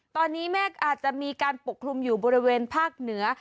ตอนนี้เมฆอาจจะมีการปกคลุมอยู่บริเวณภาคเหนือ